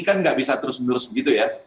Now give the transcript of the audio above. kan nggak bisa terus menerus begitu ya